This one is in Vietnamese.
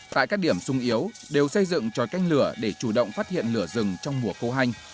tại các điểm sung yếu đều xây dựng tròi canh lửa để chủ động phát hiện lửa rừng trong mùa khô hanh